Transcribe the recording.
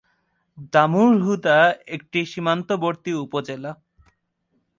দামুড়হুদা একটি সীমান্তবর্তী উপজেলা।